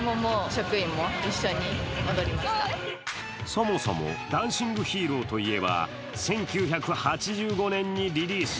そもそも「ダンシング・ヒーロー」といえば、１９８５年にリリース。